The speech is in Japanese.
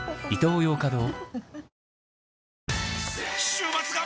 週末が！！